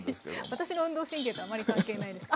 私の運動神経とはあまり関係ないです。